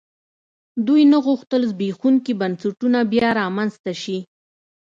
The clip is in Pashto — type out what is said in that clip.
دوی نه غوښتل زبېښونکي بنسټونه بیا رامنځته شي.